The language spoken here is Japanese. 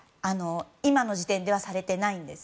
今の時点ではされてないんです。